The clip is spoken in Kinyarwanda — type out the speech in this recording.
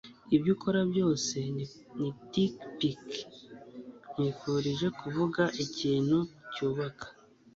Ibyo ukora byose ni nitpick. Nkwifurije kuvuga ikintu cyubaka